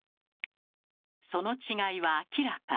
その違いは明らか。